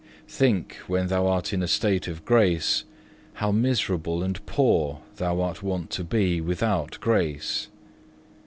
Think when thou art in a state of grace how miserable and poor thou art wont to be without grace.